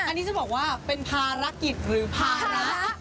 อันนี้จะบอกว่าเป็นภารกิจหรือภาระ